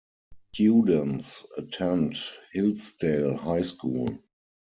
Students attend Hillsdale High School.